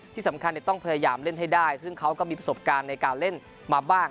ที่สำคัญต้องพยายามเล่นให้ได้ซึ่งเขาก็มีประสบการณ์ในการเล่นมาบ้าง